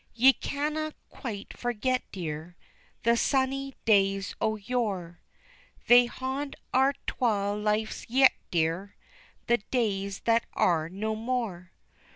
Ye canna quite forget, dear, The sunny days o' yore, They haud our twa lives yet, dear, The days that are no more.